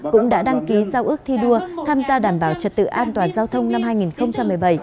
cũng đã đăng ký giao ước thi đua tham gia đảm bảo trật tự an toàn giao thông năm hai nghìn một mươi bảy